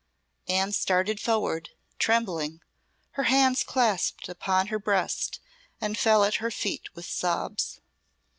Anne started forward, trembling, her hands clasped upon her breast, and fell at her feet with sobs.